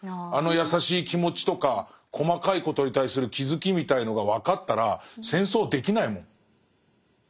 あの優しい気持ちとか細かいことに対する気付きみたいのが分かったら戦争できないもん。